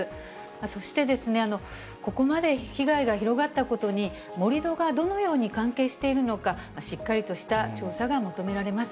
そして、ここまで被害が広がったことに、盛り土がどのように関係しているのか、しっかりとした調査が求められます。